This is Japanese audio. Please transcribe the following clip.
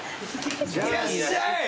いらっしゃい。